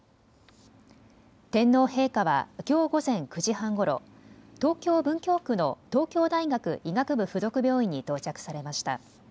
天皇陛下はきょう午前９時半ごろ、東京文京区の東京大学医学部附属病院に到着されました。